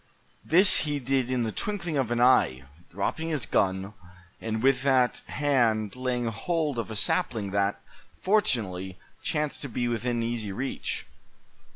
This he did in the twinkling of an eye, dropping his gun, and with that hand laying hold of a sapling that, fortunately, chanced to be within easy reach.